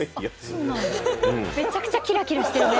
めちゃくちゃキラキラしてる目。